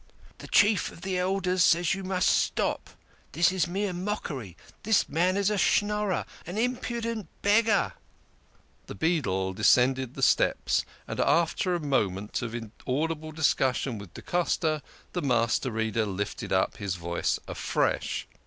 " The Chief of the Elders says you must stop. This is mere mockery. The man is a Schnorrer, an impudent beggar." THE KING OF SCHNORRERS, The beadle descend ed the steps, and after a moment of inaudi ble discussion with da Costa, the Master Reader lifted up his voice afresh.